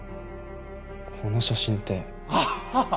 この写真ってあぁ！